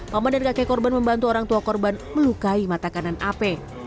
paman dan kakek korban membantu orang tua korban melukai mata kanan ap